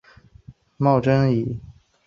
茂贞以六万兵马截击。